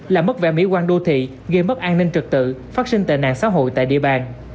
làm mất vẻ mỹ quan đô thị gây mất an ninh trực tự phát sinh tệ nạn xã hội tại địa bàn